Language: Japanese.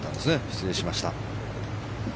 失礼しました。